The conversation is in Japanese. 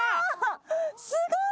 すごい！